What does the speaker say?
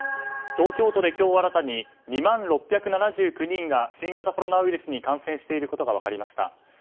東京都で今日新たに２万６７９人が新型コロナウイルスに感染していることが分かりました。